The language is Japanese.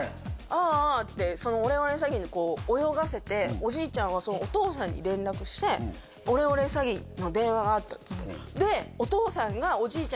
ああってそのオレオレ詐欺にこう泳がせておじいちゃんはお父さんに連絡してオレオレ詐欺の電話があったっつってえ！